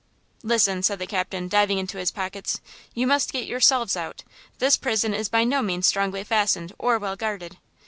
"Listen!" said the captain, diving into his pockets, "you must get yourselves out! This prison is by no means strongly fastened or well guarded!